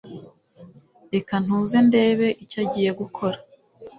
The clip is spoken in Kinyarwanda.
reka ntuze ndebe icyo agiye gukora